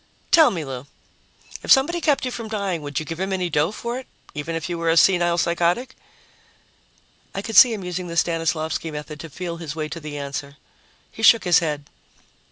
"Tell me, Lou. If somebody kept you from dying, would you give him any dough for it, even if you were a senile psychotic?" I could see him using the Stanislavsky method to feel his way to the answer. He shook his head.